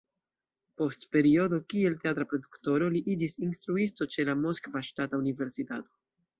Post periodo kiel teatra produktoro, li iĝis instruisto ĉe la Moskva Ŝtata Universitato.